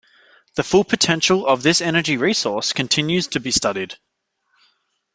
The full potential of this energy resource continues to be studied.